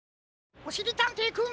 おしりたんていくん。